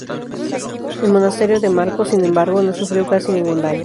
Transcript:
El monasterio de Marko, sin embargo, no sufrió casi ningún daño.